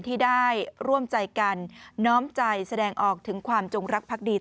ที่ได้ร่วมใจกันน้อมใจแสดงออกถึงความจงรักพักดี